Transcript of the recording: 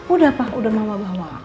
udah pak udah mama bawa